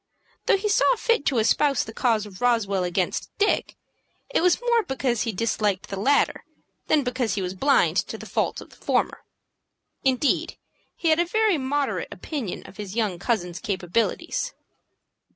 Though he saw fit to espouse the cause of Roswell against Dick, it was more because he disliked the latter than because he was blind to the faults of the former. Indeed, he had a very moderate opinion of his young cousin's capabilities.